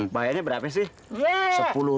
bayarnya berapa sih